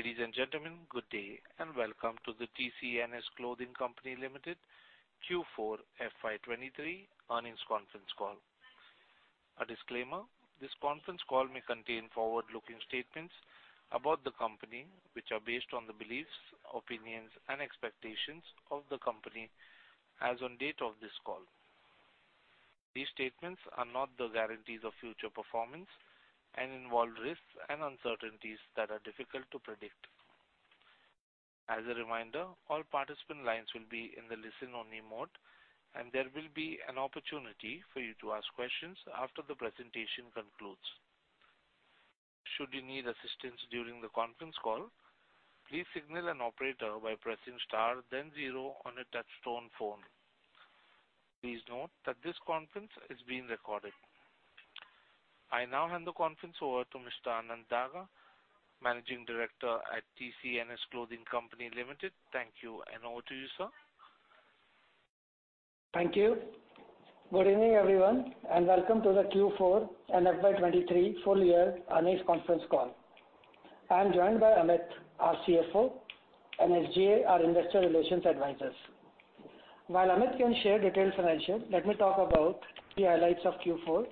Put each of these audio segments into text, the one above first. Ladies and gentlemen, good day, welcome to the TCNS Clothing Co. Limited, Q4 FY 2023 earnings conference call. A disclaimer: This conference call may contain forward-looking statements about the company, which are based on the beliefs, opinions, and expectations of the company as on date of this call. These statements are not the guarantees of future performance and involve risks and uncertainties that are difficult to predict. As a reminder, all participant lines will be in the listen-only mode, there will be an opportunity for you to ask questions after the presentation concludes. Should you need assistance during the conference call, please signal an operator by pressing star then zero on a touchtone phone. Please note that this conference is being recorded. I now hand the conference over to Mr. Anand Daga, Managing Director at TCNS Clothing Co. Limited. Thank you, over to you, sir. Thank you. Good evening, everyone, welcome to the Q4 and FY 2023 full year earnings conference call. I'm joined by Amit, our CFO, and SGA, our investor relations advisors. While Amit can share detailed financials, let me talk about the highlights of Q4,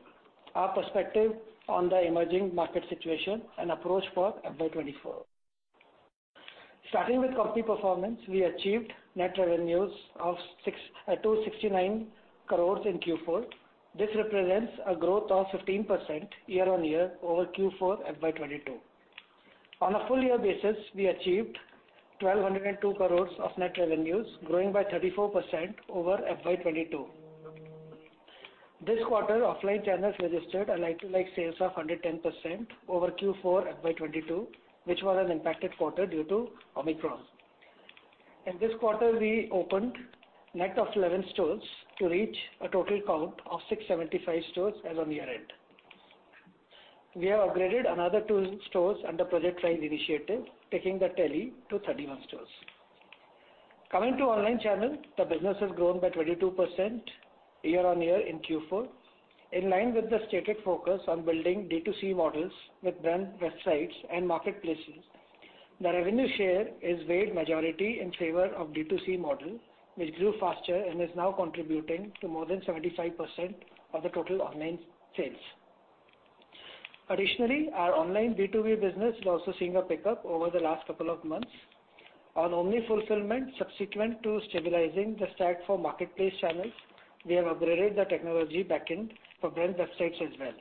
our perspective on the emerging market situation and approach for FY 2024. Starting with company performance, we achieved net revenues of 269 crores in Q4. This represents a growth of 15% year-on-year over Q4 FY 2022. On a full year basis, we achieved 1,202 crores of net revenues, growing by 34% over FY 2022. This quarter, offline channels registered a like-to-like sales of 110% over Q4 FY 2022, which was an impacted quarter due to Omicron. In this quarter, we opened net of 11 stores to reach a total count of 675 stores as on year-end. We have upgraded another 2 stores under Project RISE initiative, taking the tally to 31 stores. Coming to online channel, the business has grown by 22% year-on-year in Q4, in line with the stated focus on building D2C models with brand websites and marketplaces. The revenue share is weighed majority in favor of D2C model, which grew faster and is now contributing to more than 75% of the total online sales. Additionally, our online B2B business is also seeing a pickup over the last couple of months. On omni fulfillment, subsequent to stabilizing the stack for marketplace channels, we have upgraded the technology backend for brand websites as well.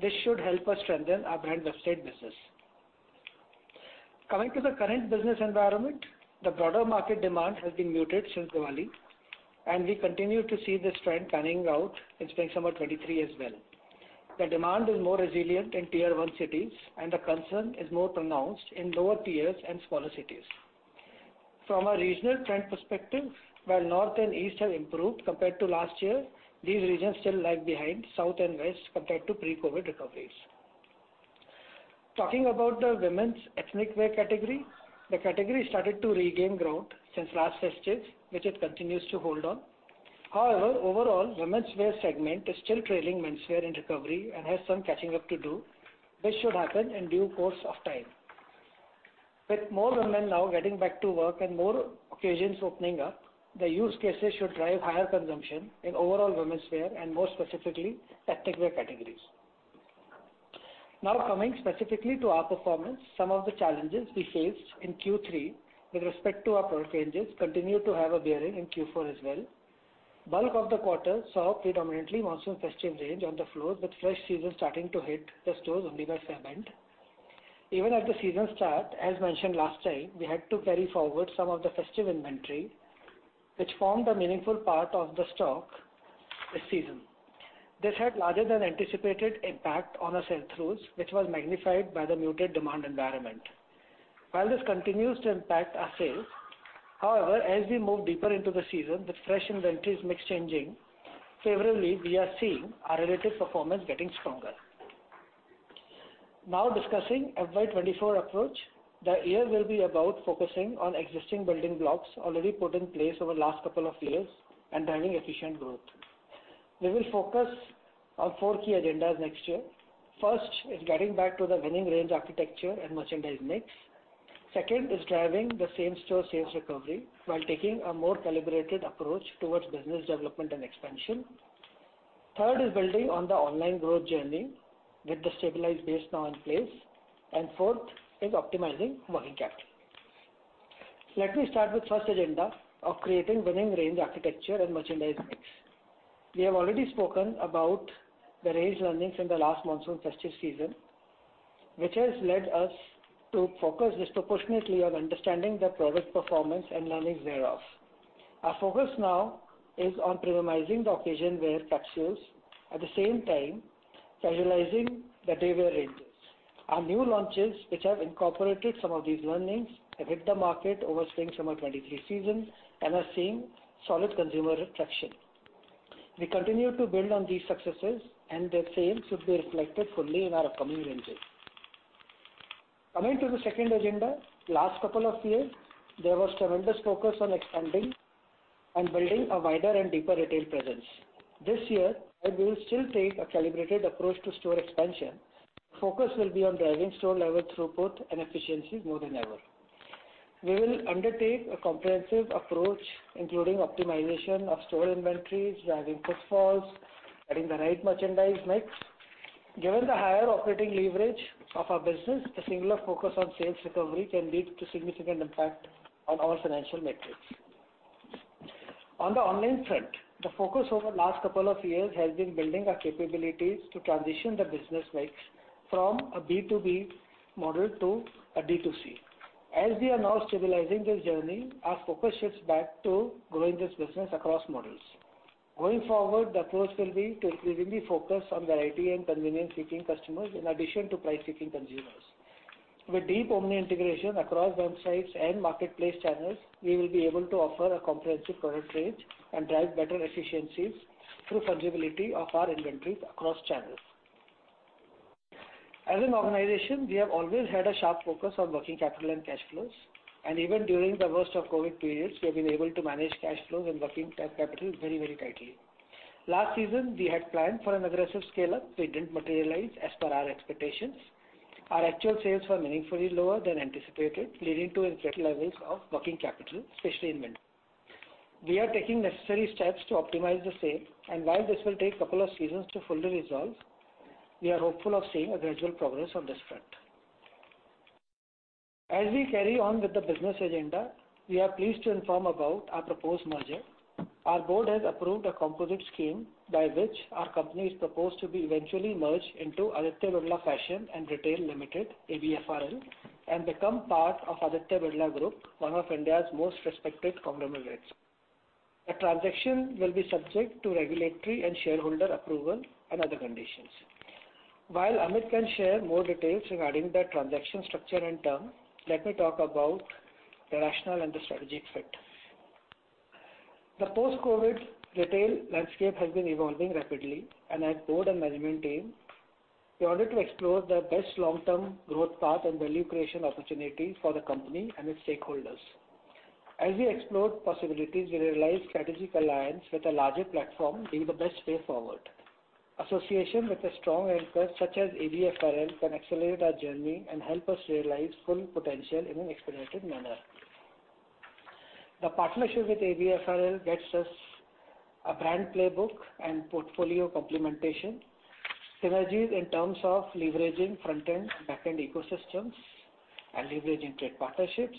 This should help us strengthen our brand website business. Coming to the current business environment, the broader market demand has been muted since Diwali, and we continue to see this trend panning out in spring summer 2023 as well. The demand is more resilient in Tier 1 cities, and the concern is more pronounced in lower tiers and smaller cities. From a regional trend perspective, while North and East have improved compared to last year, these regions still lag behind South and West compared to pre-COVID recoveries. Talking about the women's ethnic wear category, the category started to regain growth since last festive, which it continues to hold on. However, overall, women's wear segment is still trailing men's wear in recovery and has some catching up to do, which should happen in due course of time. With more women now getting back to work and more occasions opening up, the use cases should drive higher consumption in overall women's wear and more specifically, ethnic wear categories. Coming specifically to our performance, some of the challenges we faced in Q3 with respect to our product ranges continued to have a bearing in Q4 as well. Bulk of the quarter saw predominantly monsoon festive range on the floor, with fresh season starting to hit the stores only by segment. Even as the season start, as mentioned last time, we had to carry forward some of the festive inventory, which formed a meaningful part of the stock this season. This had larger than anticipated impact on our sell-throughs, which was magnified by the muted demand environment. While this continues to impact our sales, however, as we move deeper into the season, the fresh inventories mix changing favorably, we are seeing our relative performance getting stronger. Now discussing FY 2024 approach, the year will be about focusing on existing building blocks already put in place over the last couple of years and driving efficient growth. We will focus on four key agendas next year. First, is getting back to the winning range, architecture and merchandise mix. Second, is driving the same-store sales recovery while taking a more calibrated approach towards business development and expansion. Third, is building on the online growth journey with the stabilized base now in place. Fourth, is optimizing working capital. Let me start with first agenda of creating winning range, architecture and merchandise mix. We have already spoken about the range learnings in the last monsoon festive season, which has led us to focus disproportionately on understanding the product performance and learnings thereof. Our focus now is on premiumizing the occasion wear capsules, at the same time, casualizing the day wear ranges. Our new launches, which have incorporated some of these learnings, have hit the market over spring, summer 23 season and are seeing solid consumer traction. We continue to build on these successes. Their sales should be reflected fully in our upcoming ranges. Coming to the second agenda, last couple of years, there was tremendous focus on expanding and building a wider and deeper retail presence. This year, we will still take a calibrated approach to store expansion. Focus will be on driving store level throughput and efficiency more than ever. We will undertake a comprehensive approach, including optimization of store inventories, driving footfalls, adding the right merchandise mix. Given the higher operating leverage of our business, the singular focus on sales recovery can lead to significant impact on our financial metrics. On the online front, the focus over the last couple of years has been building our capabilities to transition the business mix from a B2B model to a D2C. As we are now stabilizing this journey, our focus shifts back to growing this business across models. Going forward, the approach will be to increasingly focus on the IT and convenience-seeking customers in addition to price-seeking consumers. With deep omni integration across websites and marketplace channels, we will be able to offer a comprehensive product range and drive better efficiencies through flexibility of our inventories across channels. As an organization, we have always had a sharp focus on working capital and cash flows, and even during the worst of COVID periods, we have been able to manage cash flows and working capital very, very tightly. Last season, we had planned for an aggressive scale-up, which didn't materialize as per our expectations. Our actual sales were meaningfully lower than anticipated, leading to increased levels of working capital, especially in mid. We are taking necessary steps to optimize the same, and while this will take a couple of seasons to fully resolve, we are hopeful of seeing a gradual progress on this front. As we carry on with the business agenda, we are pleased to inform about our proposed merger. Our board has approved a composite scheme by which our company is proposed to be eventually merged into Aditya Birla Fashion and Retail Limited, ABFRL, and become part of Aditya Birla Group, one of India's most respected conglomerates. The transaction will be subject to regulatory and shareholder approval and other conditions. While Amit can share more details regarding the transaction structure and terms, let me talk about the rationale and the strategic fit. The post-Covid retail landscape has been evolving rapidly, and as board and management team, we wanted to explore the best long-term growth path and value creation opportunity for the company and its stakeholders. As we explored possibilities, we realized strategic alliance with a larger platform being the best way forward. Association with a strong anchor such as ABFRL, can accelerate our journey and help us realize full potential in an expedited manner. The partnership with ABFRL gets us a brand playbook and portfolio complementation, synergies in terms of leveraging front-end, back-end ecosystems and leveraging trade partnerships,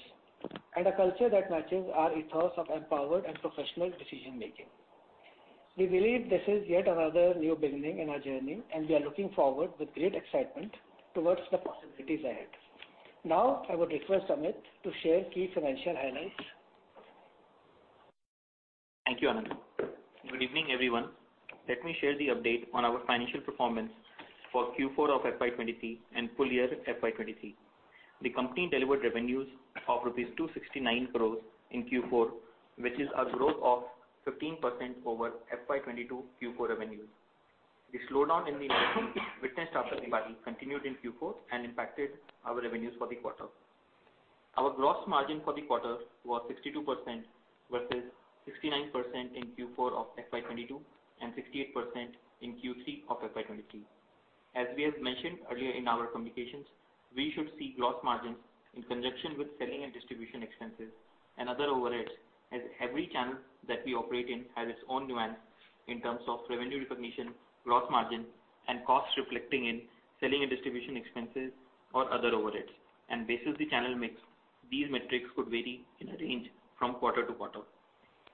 and a culture that matches our ethos of empowered and professional decision making. We believe this is yet another new beginning in our journey, we are looking forward with great excitement towards the possibilities ahead. Now, I would request Amit to share key financial highlights. Thank you, Anand. Good evening, everyone. Let me share the update on our financial performance for Q4 of FY 2023 and full year FY 2023. The company delivered revenues of 269 crores rupees in Q4, which is a growth of 15% over FY 2022 Q4 revenues. The slowdown in the witnessed after the rally continued in Q4 and impacted our revenues for the quarter. Our gross margin for the quarter was 62%, versus 69% in Q4 of FY 2022, and 68% in Q3 of FY 2023. As we have mentioned earlier in our communications, we should see gross margins in conjunction with selling and distribution expenses and other overheads, as every channel that we operate in has its own nuance in terms of revenue recognition, gross margin, and costs reflecting in selling and distribution expenses or other overheads. Based on the channel mix, these metrics could vary in a range from quarter to quarter.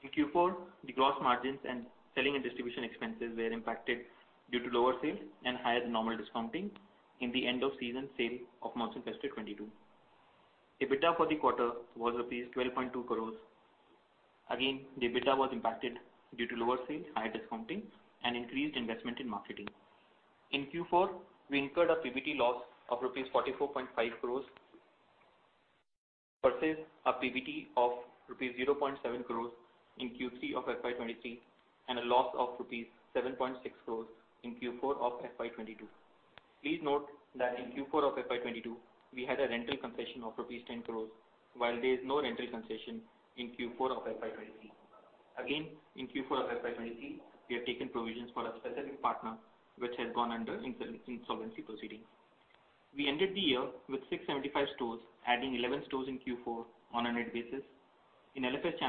In Q4, the gross margins and selling and distribution expenses were impacted due to lower sales and higher than normal discounting in the end of season sale of March and quarter 22. EBITDA for the quarter was rupees 12.2 crores. Again, the EBITDA was impacted due to lower sales, higher discounting and increased investment in marketing. In Q4, we incurred a PBT loss of rupees 44.5 crores, versus a PBT of rupees 0.7 crores in Q3 of FY 2023, and a loss of rupees 7.6 crores in Q4 of FY 2022. Please note that in Q4 of FY 2022, we had a rental concession of 10 crores, while there is no rental concession in Q4 of FY 2023. In Q4 of FY 2023, we have taken provisions for a specific partner which has gone under insolvency proceedings. We ended the year with 675 stores, adding 11 stores in Q4 on a net basis. In LFS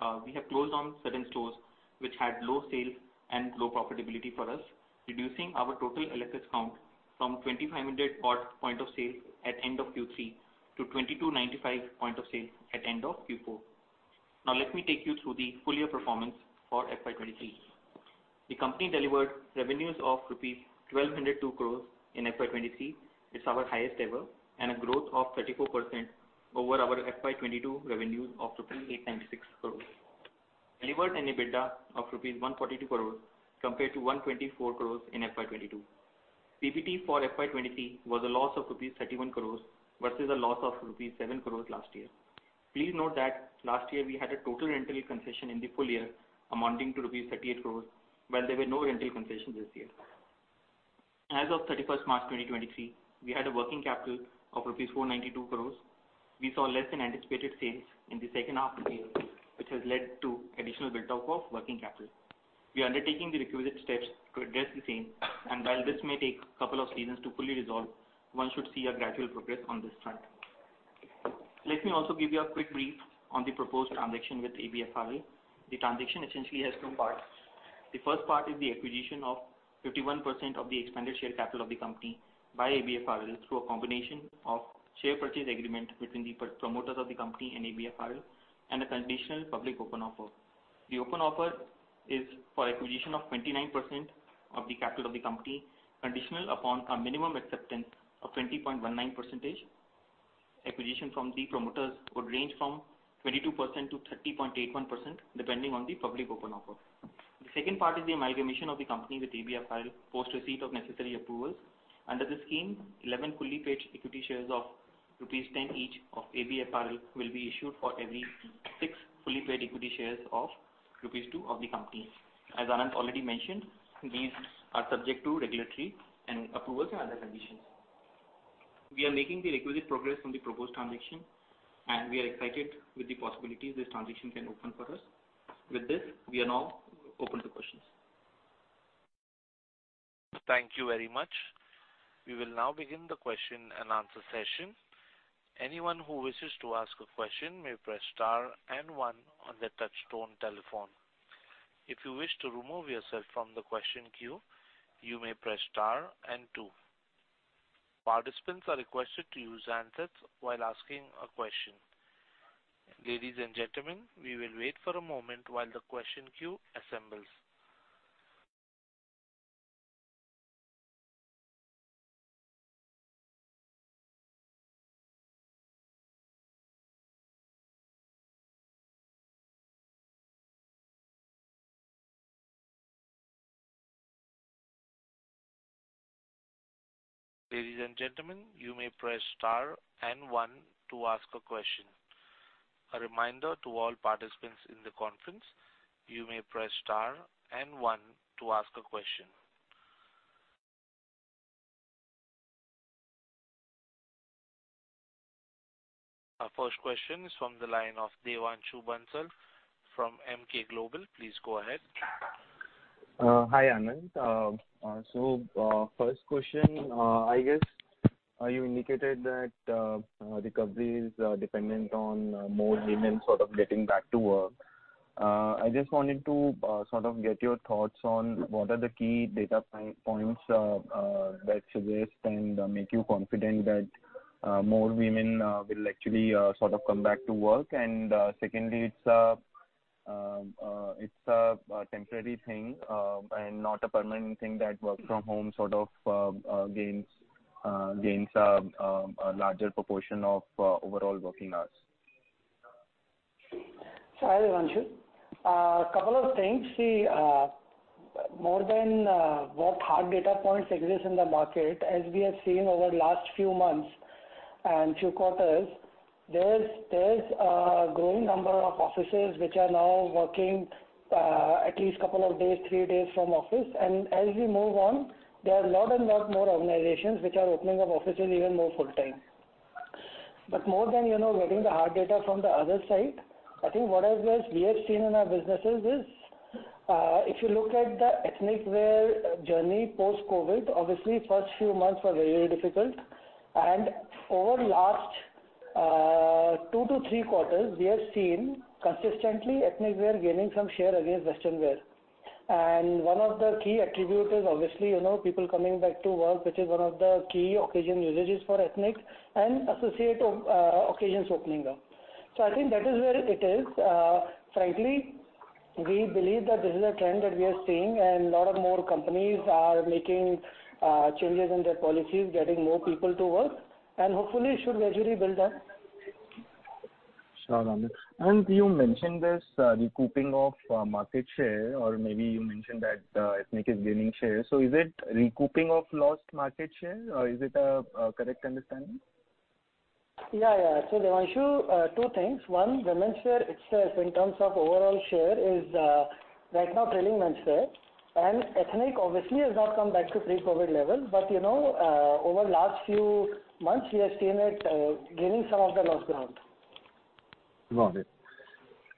channel, we have closed down certain stores which had low sales and low profitability for us, reducing our total LFS count from 2,500 odd point of sale at end of Q3 to 2,295 point of sale at end of Q4. Let me take you through the full year performance for FY 2023. The company delivered revenues of INR 1,202 crores in FY 2023. It's our highest ever, and a growth of 34% over our FY 2022 revenues of 806 crores rupees. Delivered an EBITDA of 142 crores rupees compared to 124 crores in FY 2022. PBT for FY 2023 was a loss of 31 crores rupees versus a loss of 7 crores rupees last year. Please note that last year we had a total rental concession in the full year, amounting to rupees 38 crores, while there were no rental concessions this year. As of 31st March 2023, we had a working capital of INR 492 crores. We saw less than anticipated sales in the second half of the year, which has led to additional build-up of working capital. We are undertaking the requisite steps to address the same, and while this may take a couple of seasons to fully resolve, one should see a gradual progress on this front. Let me also give you a quick brief on the proposed transaction with ABFRL. The transaction essentially has 2 parts. The first part is the acquisition of 51% of the expanded share capital of the company by ABFRL, through a combination of share purchase agreement between the promoters of the company and ABFRL, and a conditional public open offer. The open offer is for acquisition of 29% of the capital of the company, conditional upon a minimum acceptance of 20.19%. Acquisition from the promoters would range from 22%-30.81%, depending on the public open offer. The second part is the amalgamation of the company with ABFRL, post receipt of necessary approvals. Under this scheme, 11 fully paid equity shares of rupees 10 each of ABFRL will be issued for every 6 fully paid equity shares of rupees 2 of the company. As Anand already mentioned, these are subject to regulatory and approvals and other conditions. We are making the requisite progress on the proposed transaction. We are excited with the possibilities this transaction can open for us. With this, we are now open to questions. Thank you very much. We will now begin the question and answer session. Anyone who wishes to ask a question may press star and one on their touch-tone telephone. If you wish to remove yourself from the question queue, you may press star and two. Participants are requested to use answers while asking a question. Ladies and gentlemen, we will wait for a moment while the question queue assembles. Ladies and gentlemen, you may press star and one to ask a question. A reminder to all participants in the conference, you may press star and one to ask a question. Our first question is from the line of Devanshu Bansal from Emkay Global. Please go ahead. Hi, Anand. First question, I guess, you indicated that recovery is dependent on more women sort of getting back to work. I just wanted to sort of get your thoughts on what are the key data points that suggest and make you confident that more women will actually sort of come back to work. Secondly, it's a, it's a temporary thing and not a permanent thing that work from home sort of gains a larger proportion of overall working hours. Hi, Devanshu. A couple of things. See, more than what hard data points exist in the market, as we have seen over the last few months and few quarters, there's a growing number of offices which are now working, at least couple of days, 3 days from office. As we move on, there are lot and lot more organizations which are opening up offices even more full-time. More than, you know, getting the hard data from the other side, I think what I guess we have seen in our businesses is, if you look at the ethnic wear journey post-COVID, obviously, first few months were very, very difficult. Over the last, 2 to 3 quarters, we have seen consistently ethnic wear gaining some share against western wear. One of the key attributes is obviously, you know, people coming back to work, which is one of the key occasion usages for ethnic and associate occasions opening up. I think that is where it is. Frankly, we believe that this is a trend that we are seeing, and a lot of more companies are making changes in their policies, getting more people to work, and hopefully it should gradually build up. Sure, Anand. You mentioned this recouping of market share, or maybe you mentioned that ethnic is gaining share. Is it recouping of lost market share, or is it a correct understanding? Yeah. Devanshu, two things. One, women's wear itself, in terms of overall share, is right now trailing men's wear, and ethnic obviously has not come back to pre-COVID level. you know, over the last few months, we have seen it gaining some of the lost ground. Got it.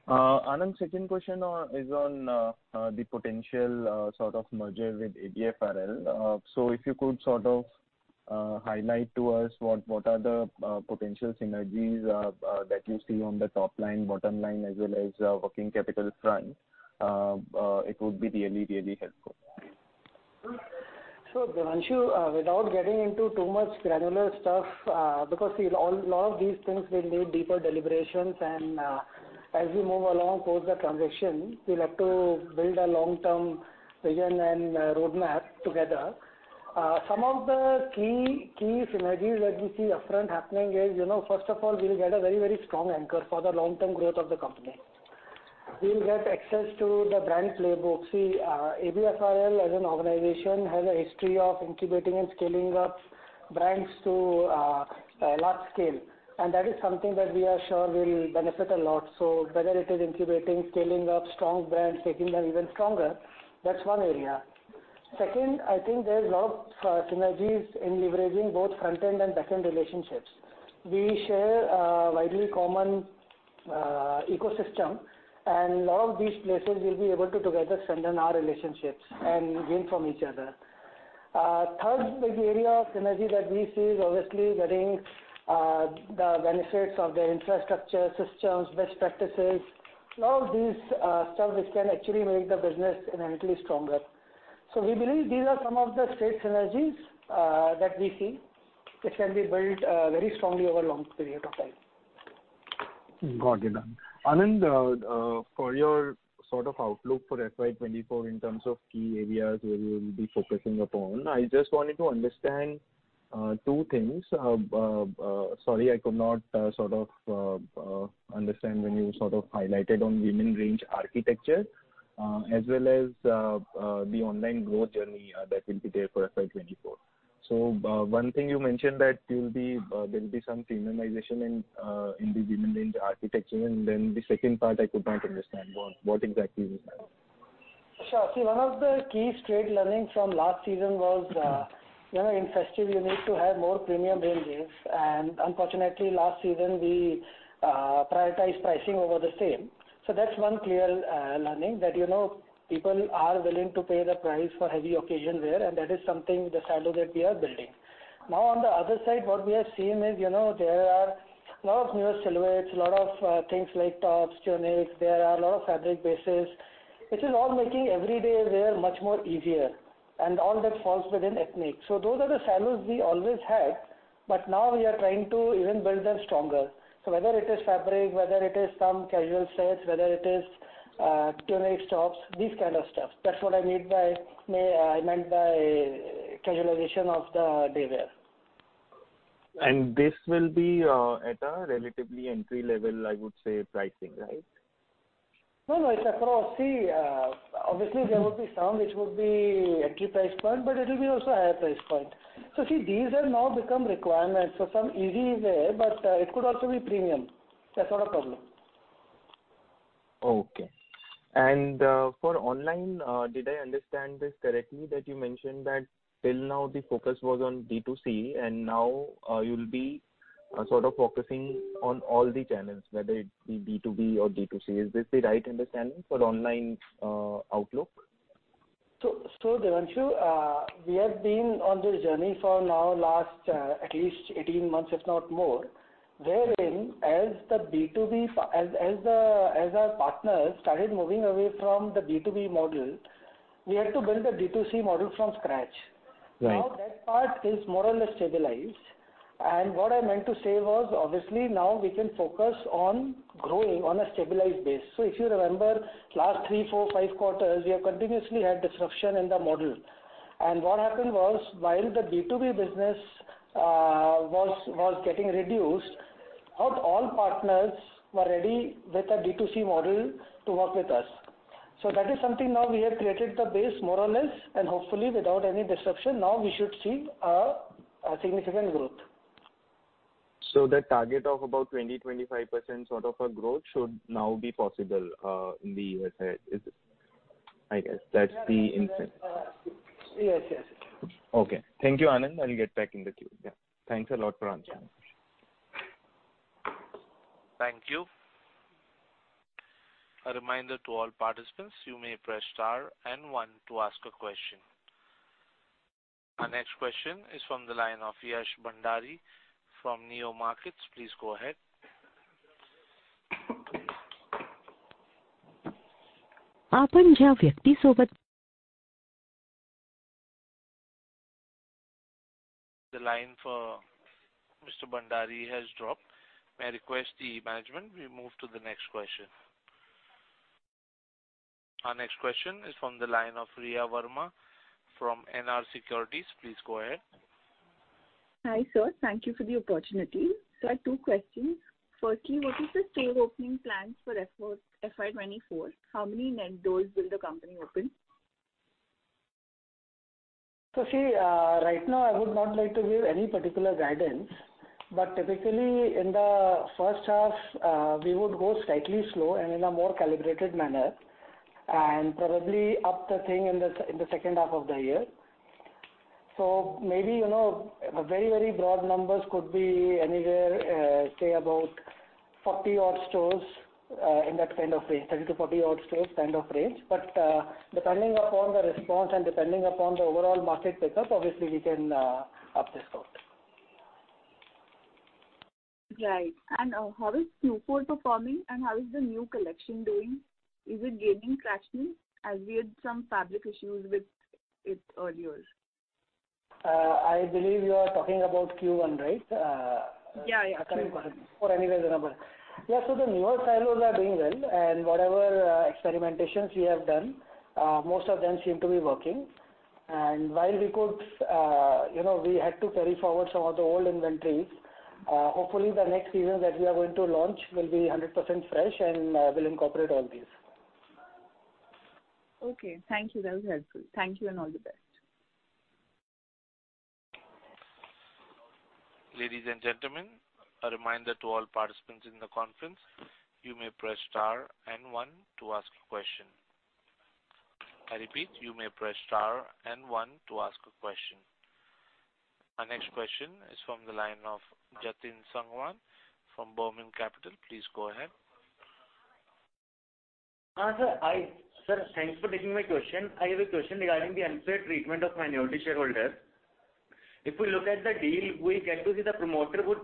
Anand, second question, is on the potential sort of merger with ABFRL. If you could sort of highlight to us what are the potential synergies that you see on the top line, bottom line, as well as working capital front, it would be really, really helpful. Devanshu, without getting into too much granular stuff, because, see, a lot of these things will need deeper deliberations and, as we move along towards the transaction, we'll have to build a long-term vision and roadmap together. Some of the key synergies that we see upfront happening is, you know, first of all, we'll get a very strong anchor for the long-term growth of the company. We'll get access to the brand playbook. See, ABFRL, as an organization, has a history of incubating and scaling up brands to a large scale, and that is something that we are sure will benefit a lot. Whether it is incubating, scaling up strong brands, making them even stronger, that's one area. I think there's a lot of synergies in leveraging both front-end and back-end relationships. We share a widely common ecosystem, and a lot of these places will be able to together strengthen our relationships and gain from each other. Third big area of synergy that we see is obviously getting the benefits of the infrastructure systems, best practices, a lot of these services can actually make the business inherently stronger. We believe these are some of the great synergies that we see, which can be built very strongly over a long period of time. Got it. Anand, for your sort of outlook for FY 2024 in terms of key areas where you will be focusing upon, I just wanted to understand two things. Sorry, I could not sort of understand when you sort of highlighted on women range architecture, as well as the online growth journey that will be there for FY 2024. One thing you mentioned that there'll be some feminization in the women range architecture, and then the second part, I could not understand. What exactly you said? Sure. See, one of the key straight learnings from last season was, you know, in festive, you need to have more premium ranges, and unfortunately, last season we prioritized pricing over the same. That's one clear learning, that, you know, people are willing to pay the price for heavy occasion wear, and that is something, the silo that we are building. On the other side, what we are seeing is, you know, there are a lot of newer silhouettes, a lot of things like tops, tunics, there are a lot of fabric bases. This is all making everyday wear much more easier, and all that falls within ethnic. Those are the silos we always had, but now we are trying to even build them stronger. Whether it is fabric, whether it is some casual sets, whether it is tunic tops, these kind of stuff. That's what I meant by casualization of the day wear. This will be at a relatively entry-level, I would say, pricing, right? No, no, it's across. See, obviously, there would be some which would be entry price point, but it will be also higher price point. See, these have now become requirements for some easy wear, but, it could also be premium. That's not a problem. Okay. For online, did I understand this correctly, that you mentioned that till now the focus was on D2C, and now, you'll be, sort of focusing on all the channels, whether it be B2B or D2C. Is this the right understanding for online, outlook? Devanshu, we have been on this journey for now last, at least 18 months, if not more, wherein as the B2B as our partners started moving away from the B2B model, we had to build a D2C model from scratch. Right. That part is more or less stabilized. What I meant to say was, obviously, now we can focus on growing on a stabilized base. If you remember, last three, four, five quarters, we have continuously had disruption in the model. What happened was, while the B2B business was getting reduced, not all partners were ready with a D2C model to work with us. That is something now we have created the base more or less, and hopefully, without any disruption, now we should see a significant growth. The target of about 20%-25% sort of a growth should now be possible, in the USA, is it? I guess that's the intent. Yes, yes. Okay. Thank you, Anand. I'll get back in the queue. Yeah. Thanks a lot for answering. Thank you. A reminder to all participants, you may press star and one to ask a question. Our next question is from the line of Yash Bhandari from Neo Markets. Please go ahead. The line for Mr. Bhandari has dropped. May I request the management, we move to the next question. Our next question is from the line of Riya Verma from NR Securities. Please go ahead. Hi, sir. Thank you for the opportunity. I have two questions. Firstly, what is the store opening plans for FY 2024? How many net doors will the company open? See, right now, I would not like to give any particular guidance, but typically in the first half, we would go slightly slow and in a more calibrated manner, and probably up the thing in the, in the second half of the year. Maybe, you know, the very, very broad numbers could be anywhere, say about 40 odd stores, in that kind of range, 30 to 40 odd stores kind of range. Depending upon the response and depending upon the overall market pickup, obviously we can up the store. Right. How is Q4 performing, and how is the new collection doing? Is it gaining traction, as we had some fabric issues with it earlier? I believe you are talking about Q1, right? Yeah, yeah, Q1. For anywhere the number. The newer silos are doing well. Whatever experimentations we have done, most of them seem to be working. While we could, you know, we had to carry forward some of the old inventories, hopefully the next season that we are going to launch will be 100% fresh, and we'll incorporate all these. Okay, thank you. That was helpful. Thank you, and all the best. Ladies and gentlemen, a reminder to all participants in the conference, you may press star and one to ask a question. I repeat, you may press star and one to ask a question. Our next question is from the line of Jatin Sangwan from Burman Capital. Please go ahead. Sir, thanks for taking my question. I have a question regarding the unfair treatment of minority shareholders. If we look at the deal, we get to see the promoter would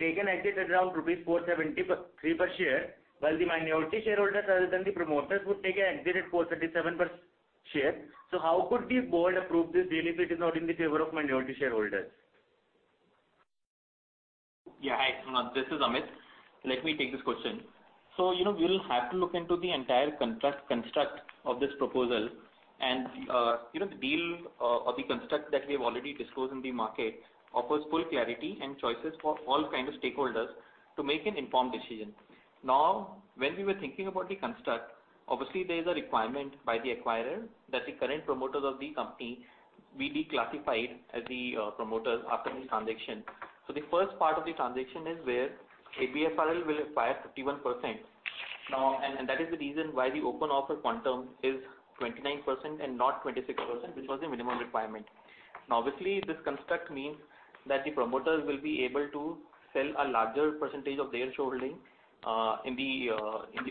take an exit at around rupees 470 per, 3 per share, while the minority shareholders, rather than the promoters, would take an exit at 437 rupees per share. How could the board approve this deal if it is not in the favor of minority shareholders? Yeah, hi, this is Amit. Let me take this question. you know, we will have to look into the entire construct of this proposal. you know, the deal or the construct that we have already disclosed in the market offers full clarity and choices for all kinds of stakeholders to make an informed decision. When we were thinking about the construct, obviously there is a requirement by the acquirer that the current promoters of the company be declassified as the promoters after the transaction. The first part of the transaction is where ABFRL will acquire 51%. that is the reason why the open offer quantum is 29% and not 26%, which was the minimum requirement. Obviously, this construct means that the promoters will be able to sell a larger percentage of their shareholding in the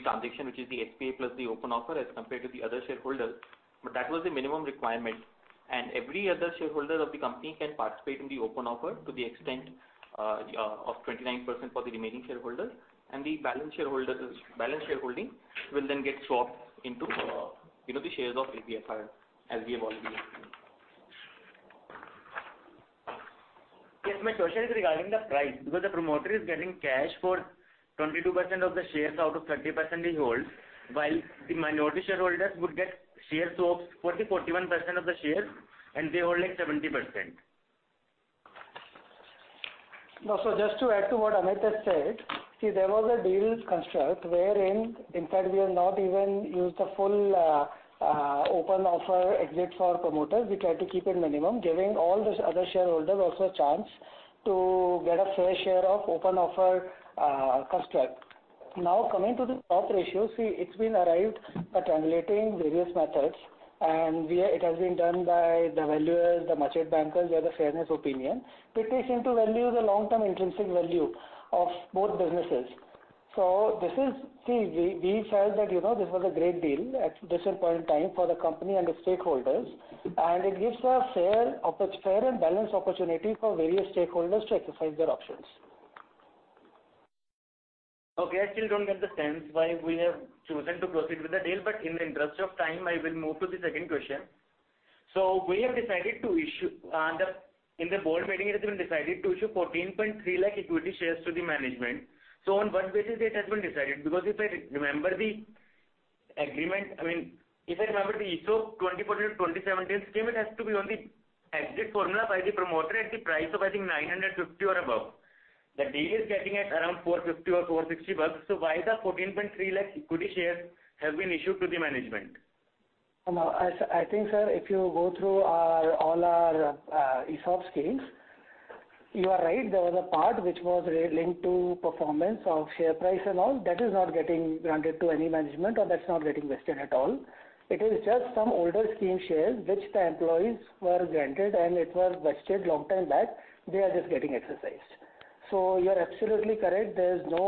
transaction, which is the HPA Plus the open offer, as compared to the other shareholders, but that was the minimum requirement. Every other shareholder of the company can participate in the open offer to the extent of 29% for the remaining shareholders, and the balance shareholding will then get swapped into, you know, the shares of ABFRL, as we have already mentioned. My question is regarding the price, because the promoter is getting cash for 22% of the shares out of 30% he holds, while the minority shareholders would get share swaps for the 41% of the shares, and they hold, like, 70%. Just to add to what Amit has said, see, there was a deal construct wherein, in fact, we have not even used the full open offer exit for promoters. We tried to keep it minimum, giving all the other shareholders also a chance to get a fair share of open offer construct. Coming to the swap ratio, see, it's been arrived by translating various methods, and it has been done by the valuers, the merchant bankers, where the fairness opinion, it takes into value the long-term intrinsic value of both businesses. This is. See, we felt that, you know, this was a great deal at this point in time for the company and the stakeholders, and it gives a fair and balanced opportunity for various stakeholders to exercise their options. Okay, I still don't get the sense why we have chosen to proceed with the deal, but in the interest of time, I will move to the second question. We have decided to issue, in the board meeting, it has been decided to issue 14.3 lakh equity shares to the management. On what basis it has been decided? If I remember the agreement, I mean, if I remember the ESOP 2014 to 2017 scheme, it has to be on the exit formula by the promoter at the price of, I think, 950 or above. The deal is getting at around 450 or INR 460, so why the 14.3 lakh equity shares have been issued to the management? I think, sir, if you go through our, all our ESOP schemes, you are right, there was a part which was linked to performance of share price and all. That is not getting granted to any management or that's not getting vested at all. It is just some older scheme shares which the employees were granted, and it was vested long time back. They are just getting exercised. You are absolutely correct. There is no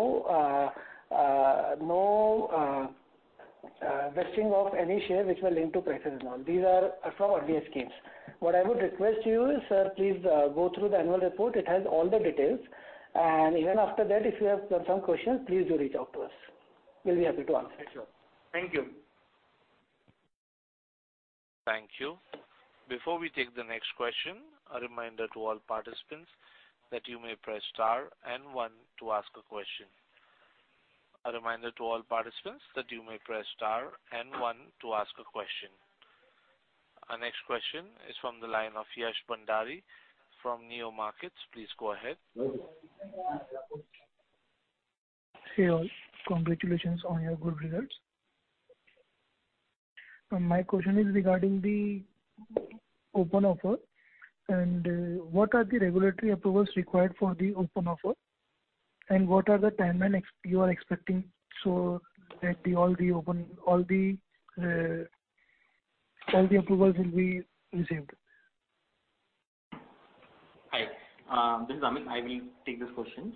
vesting of any share which were linked to prices and all. These are from earlier schemes. What I would request you is, sir, please go through the annual report. It has all the details. Even after that, if you have some questions, please do reach out to us. We'll be happy to answer. Thank you. Thank you. Before we take the next question, a reminder to all participants that you may press star and one to ask a question. Our next question is from the line of Yash Bhandari from Neo Markets. Please go ahead. Hey, all. Congratulations on your good results. My question is regarding the open offer, and what are the regulatory approvals required for the open offer, and what are the timeline you are expecting so that the all the open, all the approvals will be received? Hi, this is Amit. I will take this question.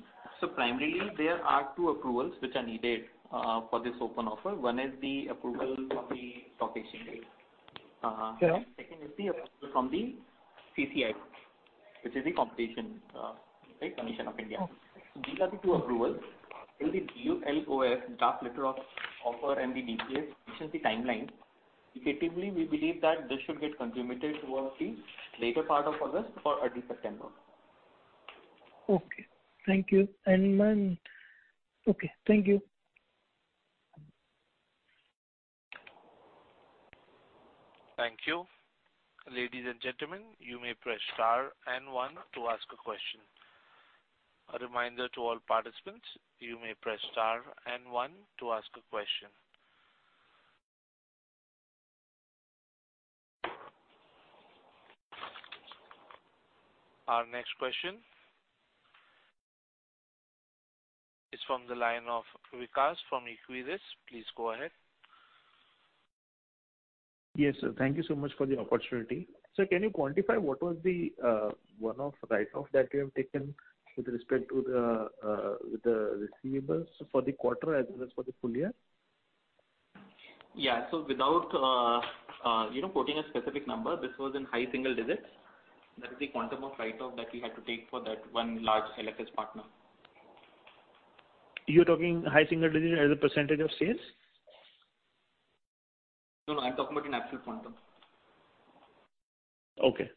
Primarily, there are two approvals which are needed for this open offer. One is the approval from the stock exchange. Yeah. Second is the approval from the CCI, which is the Competition, like, Commission of India. Okay. These are the two approvals. In the DLOF, draft letter of, offer and the DCA, which is the timeline, effectively, we believe that this should get consummated towards the later part of August or early September. Okay, thank you. Thank you. Ladies and gentlemen, you may press star and one to ask a question. A reminder to all participants, you may press star and one to ask a question. Our next question is from the line of Vikas from Equirus. Please go ahead. Yes, sir. Thank you so much for the opportunity. Sir, can you quantify what was the one-off write-off that you have taken with respect to the receivables for the quarter as well as for the full year? Yeah. without, you know, quoting a specific number, this was in high single digits. That is the quantum of write-off that we had to take for that one large LFS partner. You're talking high single digits as a % of sales? No, no, I'm talking about in actual quantum. Okay.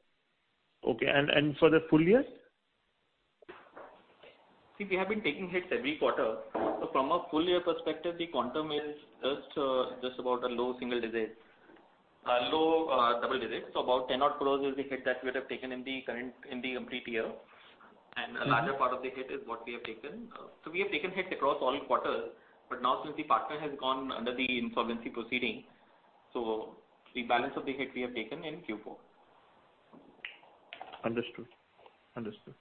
Okay, and for the full year? We have been taking hits every quarter. From a full year perspective, the quantum is just about a low single digits, low double digits. About 10 odd crores is the hit that we'd have taken in the current, in the complete year. A larger part of the hit is what we have taken. We have taken hits across all quarters, but now since the partner has gone under the insolvency proceeding, the balance of the hit we have taken in Q4. Understood. Understood.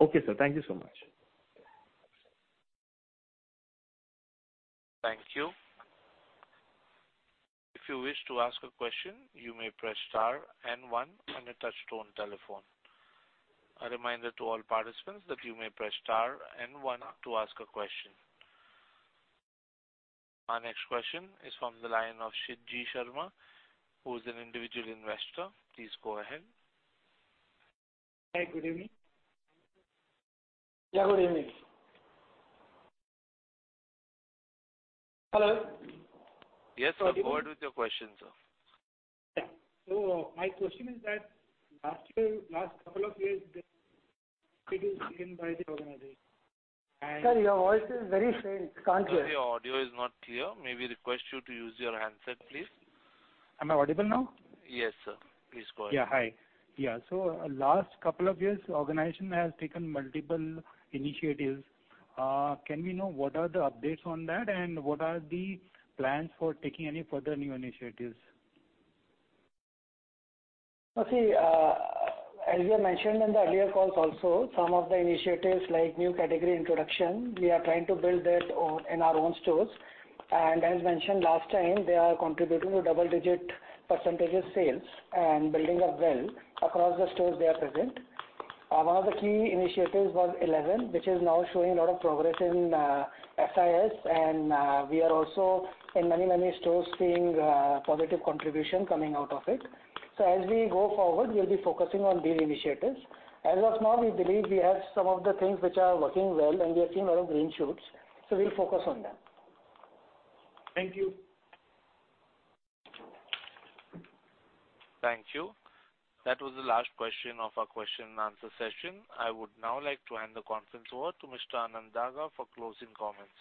Okay, sir. Thank you so much. Thank you. If you wish to ask a question, you may press star and one on a touch tone telephone. A reminder to all participants that you may press star and one to ask a question. Our next question is from the line of Shitij Sharma, who is an individual investor. Please go ahead. Hi, good evening. Yeah, good evening. Hello? Yes, sir. Go ahead with your question, sir. Yeah. my question is that last year, last couple of years, Sir, your voice is very faint. Can't hear. Sorry, your audio is not clear. May we request you to use your handset, please? Am I audible now? Yes, sir. Please go ahead. Hi. Last couple of years, organization has taken multiple initiatives. Can we know what are the updates on that, and what are the plans for taking any further new initiatives? Okay, as we have mentioned in the earlier calls also, some of the initiatives like new category introduction, we are trying to build that on in our own stores. As mentioned last time, they are contributing to double-digit % of sales and building up well across the stores they are present. One of the key initiatives was 11, which is now showing a lot of progress in SIS, and we are also in many stores seeing positive contribution coming out of it. As we go forward, we'll be focusing on these initiatives. As of now, we believe we have some of the things which are working well, and we are seeing a lot of green shoots. We'll focus on them. Thank you. Thank you. That was the last question of our question and answer session. I would now like to hand the conference over to Mr. Anand Daga for closing comments.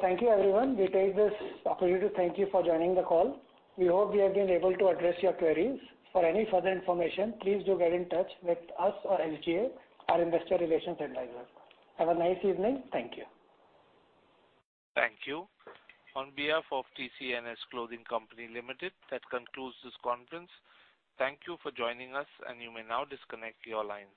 Thank you, everyone. We take this opportunity to thank you for joining the call. We hope we have been able to address your queries. For any further information, please do get in touch with us or SGA, our investor relations advisor. Have a nice evening. Thank you. Thank you. On behalf of TCNS Clothing Co. Limited, that concludes this conference. Thank you for joining us, and you may now disconnect your lines.